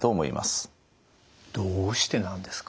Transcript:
どうしてなんですか？